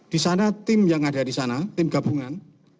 di sana tim yang ada di sana tim gabungan